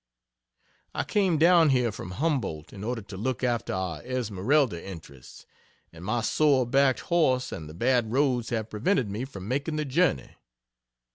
I came down here from Humboldt, in order to look after our Esmeralda interests, and my sore backed horse and the bad roads have prevented me from making the journey.